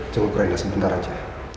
jenguk rena sebentar aja